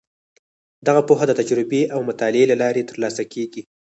دغه پوهه د تجربې او مطالعې له لارې ترلاسه کیږي.